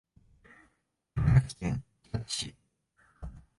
茨城県日立市